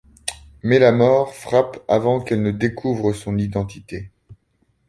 Mais la mort frappe avant qu'elle ne découvre son identité.